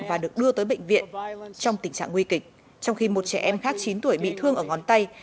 và được đưa tới bệnh viện trong tình trạng nguy kịch trong khi một trẻ em khác chín tuổi bị thương ở ngón tay